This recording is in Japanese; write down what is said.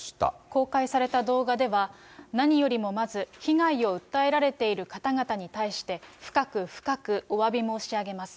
公開された動画では、何よりもまず被害を訴えられている方々に対して、深く、深くおわび申し上げます。